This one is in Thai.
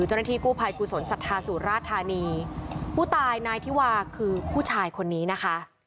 เจ้าหน้าที่กู้ภัยกุศลศรัทธาสุราธานีผู้ตายนายธิวาคือผู้ชายคนนี้นะคะ